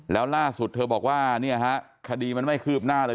แล้วล่าสุดเธอบอกว่าเนี่ยฮะคดีมันไม่คืบหน้าเลย